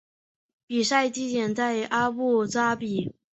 比赛地点在阿布扎比。